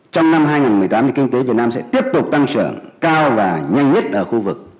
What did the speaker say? trong năm hai nghìn một mươi tám thì kinh tế việt nam sẽ tiếp tục tăng trưởng cao và nhanh nhất ở khu vực